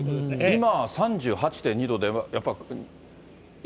今は３８．２度で、やっぱり。